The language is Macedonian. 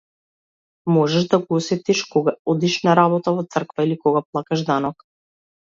Можеш да го осетиш кога одиш на работа, во црква или кога плаќаш данок.